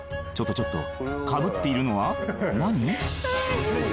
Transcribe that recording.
ちょっとちょっとかぶっているのは？何？］